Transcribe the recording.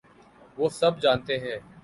وہ سب جانتے ہیں۔